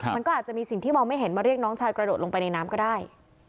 มันก็อาจจะมีสิ่งที่มองไม่เห็นมาเรียกน้องชายกระโดดลงไปในน้ำก็ได้